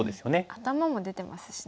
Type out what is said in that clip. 頭も出てますしね。